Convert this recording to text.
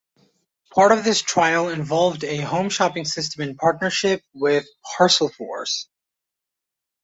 Part of this trial involved a home-shopping system in partnership with Parcelforce.